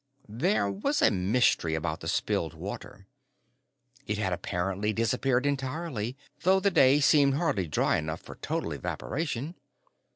There was a mystery about the spilled water. It had apparently disappeared entirely, though the day seemed hardly dry enough for total evaporation.